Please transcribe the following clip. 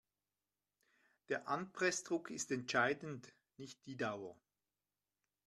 Der Anpressdruck ist entscheidend, nicht die Dauer.